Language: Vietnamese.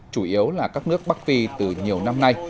chủ yếu là các nước bắc phi từ nhiều năm nay